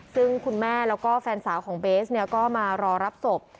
ซึ่งคุณแม่แล้วก็แฟนสาวของเบสเนี่ยก็มารอรับศพ